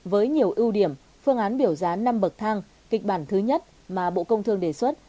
với nhiều ưu điểm phương án biểu giá năm bậc thang kịch bản thứ nhất mà bộ công thương đề xuất